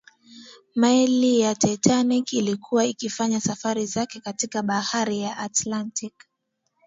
meli ya titanic ilikuwa ikifanya safari zake katika bahari ya atlantic